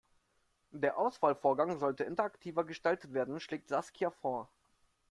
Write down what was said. Der Auswahlvorgang sollte interaktiver gestaltet werden, schlägt Saskia vor.